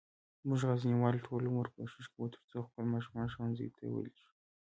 مونږه غزنیوال ټول عمر کوښښ کووه ترڅوخپل ماشومان ښوونځیوته ولیږو